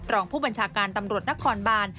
รองภูมิบัญชากันตำรวจณบาล